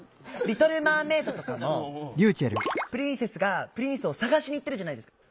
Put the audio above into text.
「リトルマーメイド」とかもプリンセスがプリンスを探しに行ってるじゃないですか。